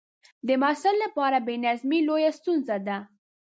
د محصل لپاره بې نظمي لویه ستونزه ده.